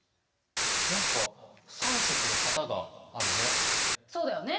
何か３色の旗があるね。